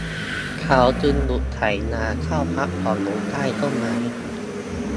เขาจึงหยุดไถนาเข้าพักผ่อนอยู่ใต้ต้นไม้